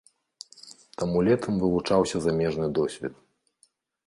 Таму летам вывучаўся замежны досвед.